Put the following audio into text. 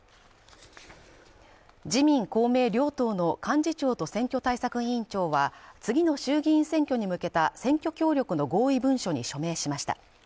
自民・公明両党の幹事長と選挙対策委員長は次の衆議院選挙に向けた選挙協力の合意文書に署名しました。